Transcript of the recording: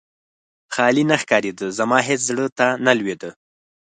خالي نه ښکارېده، زما هېڅ زړه ته نه لوېده.